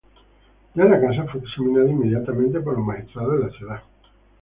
Ya en la casa fue examinado inmediatamente por los magistrados de la ciudad.